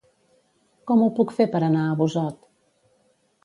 Com ho puc fer per anar a Busot?